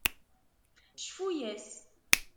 Cfu-yas!